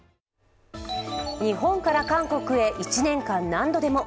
日本から韓国へ１年間何度でも。